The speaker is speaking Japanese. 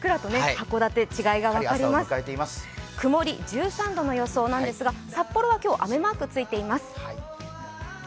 曇り１３度の予想なんですが、札幌は今日雨マークがついています。